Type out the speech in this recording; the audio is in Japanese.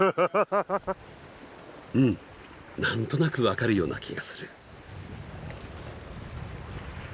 うんなんとなくわかるような気がする